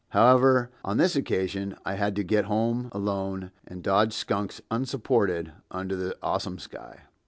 However, on this occasion I had to get home alone and dodge skunks unsupported under that awesome sky.